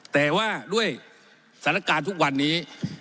แต่ว่าด้วยสถานการณ์ทุกวันนี้